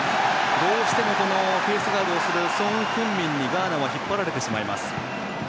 どうしてもフェースガードをするソン・フンミンにガーナは引っ張られてしまいます。